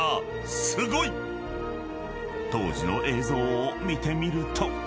［当時の映像を見てみると］